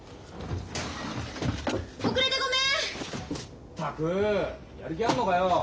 ったくやる気あんのかよ！